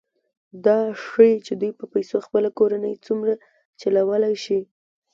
دا ښيي چې دوی په پیسو خپله کورنۍ څومره چلولی شي